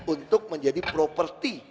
untuk menjadi properti